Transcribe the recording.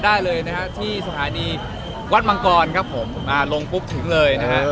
ได้เลยนะฮะที่สถานีวัดมังกรครับผมอ่าลงปุ๊บถึงเลยนะฮะ